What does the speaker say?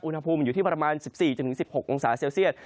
อุณหภูมิอยู่ที่ประมาณ๑๔๑๖องศาเซลเซียต